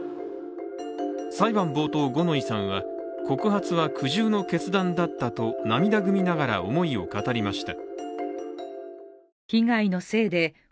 裁判冒頭、五ノ井さんは告発は苦渋の決断だったと涙ぐみながら思いを語りました。